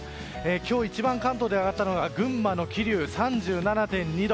今日一番、関東で上がったのは群馬の桐生、３７．２度。